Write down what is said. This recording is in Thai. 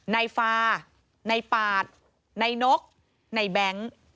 ในฟาในปาดในนกในแบงค์